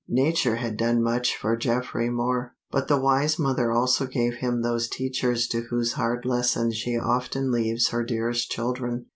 Nature had done much for Geoffrey Moor, but the wise mother also gave him those teachers to whose hard lessons she often leaves her dearest children.